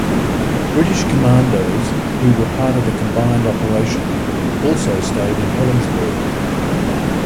British commandos who were part of the combined operation also stayed in Helensburgh.